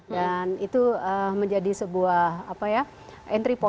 dan itu menjadi sebuah entry point